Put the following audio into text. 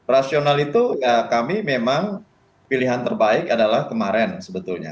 rasional itu ya kami memang pilihan terbaik adalah kemarin sebetulnya